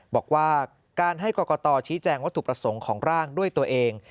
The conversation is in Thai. บอกว่าการให้กรกตชี้แจงวัตถุประสงค์ของร่างด้วยตัวเอง